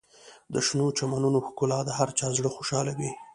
د شنو چمنونو ښکلا د هر چا زړه خوشحالوي.